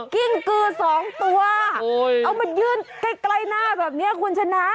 กิ้งกือสองตัวเอามายื่นใกล้หน้าแบบนี้คุณชนะ